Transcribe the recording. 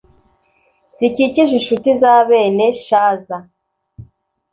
Zikikije incuti za bene Shaza,